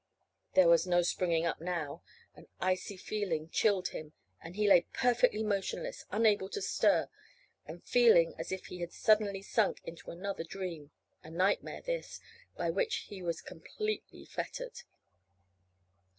There was no springing up now. An icy feeling chilled him, and he lay perfectly motionless, unable to stir, and feeling as if he had suddenly sunk into another dream a nightmare this, by which he was completely fettered.